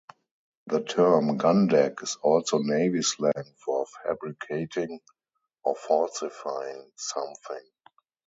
The term "gun deck" is also navy slang for fabricating or falsifying something.